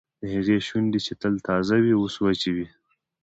د هغې شونډې چې تل تازه وې اوس وچې وې